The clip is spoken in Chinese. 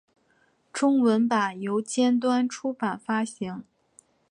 中文版由尖端出版发行。